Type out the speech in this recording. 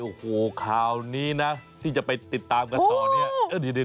โอ้โหข่าวนี้นะที่จะไปติดตามกันต่อเนี่ย